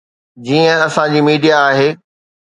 جيئن اسان جي ميڊيا آهي.